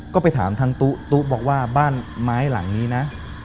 ก็ไปถามทางตู้ตุ๊บอกว่าบ้านไม้หลังนี้นะ